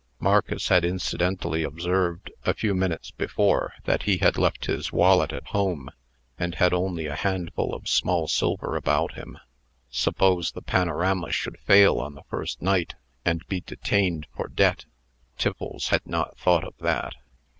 Marcus had incidentally observed, a few minutes before, that he had left his wallet at home, and had only a handful of small silver about him. Suppose the panorama should fail on the first night, and be detained for debt! Tiffles had not thought of that.